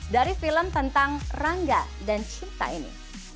dari film tentang rangga dan cinta ini